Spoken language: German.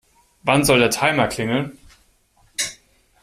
Wann soll der Timer klingeln?